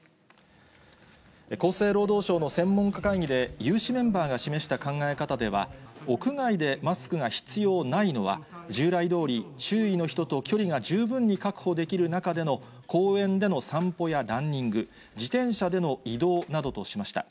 厚生労働省の専門家会議で有志メンバーが示した考え方では、屋外でマスクが必要ないのは、従来どおり、周囲の人と距離が十分に確保できる中での公園での散歩やランニング、自転車での移動などとしました。